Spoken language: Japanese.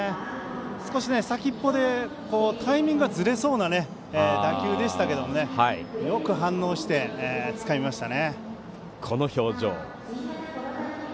少し先っぽでタイミングがずれそうな打球でしたけどもよく反応してつかみました。